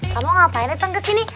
kamu ngapain datang ke sini